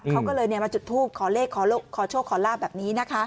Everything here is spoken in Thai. เขาก็เลยเนี่ยมาจุดทูบขอเลขขอลูกขอโชคขอลาบแบบนี้นะคะ